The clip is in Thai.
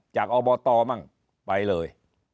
จากอบทไปเลย